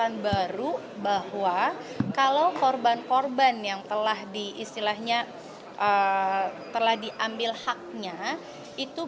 yang baru bahwa kalau korban korban yang telah diistilahnya telah diambil haknya itu